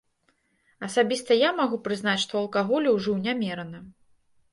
Асабіста я магу прызнаць, што алкаголю ўжыў нямерана.